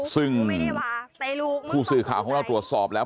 ซึ่งผู้สื่อข่าวของเราตรวจสอบแล้ว